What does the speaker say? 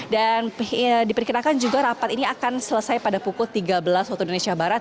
dan diperkirakan juga rapat ini akan selesai pada pukul tiga belas waktu indonesia barat